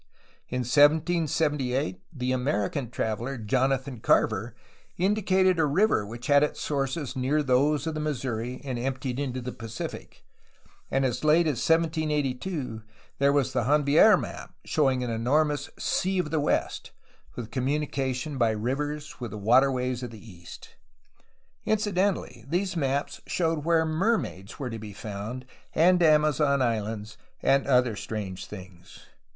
In 1778 74 A HISTORY OF CALIFORNIA the American traveler Jonathan Carver indicated a river which had its sources near those of the Missouri and emptied into the Pacific, and as late as 1782 there was the Janvier map, showing an enormous *'Sea of the West," with com munication by rivers with the waterways of the east. In cidentally, these maps showed where ''mermaids'^ were to be found, and Amazon islands, and other strange things.